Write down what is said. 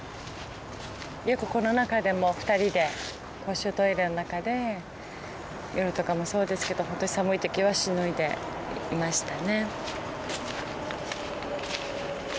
よくこの中でも二人で公衆トイレの中で夜とかもそうですけどほんとに寒い時はしのいでいましたね。